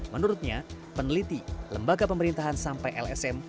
menurutnya peneliti lembaga pemerintahan sampai lsm